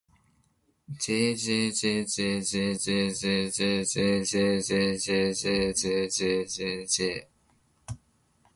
jjjjjjjjjjjjjjjjj